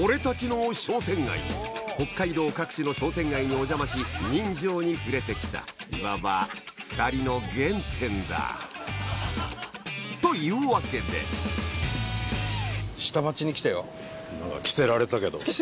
北海道各地の商店街にお邪魔し人情に触れてきたいわば２人の原点だというわけで下町に来たよ。何か着せられたけど。